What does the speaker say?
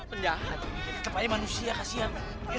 kita paling manusia kasian